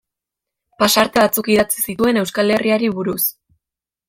Pasarte batzuk idatzi zituen Euskal Herriari buruz.